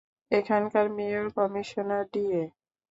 এখানকার mayor, commissioner, DA.